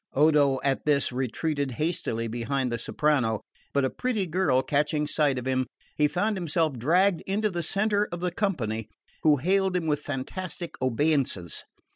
Odo at this retreated hastily behind the soprano; but a pretty girl catching sight of him, he found himself dragged into the centre of the company, who hailed him with fantastic obeisances.